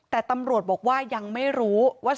แต่ตำรวจบอกว่ายังไม่รู้ว่า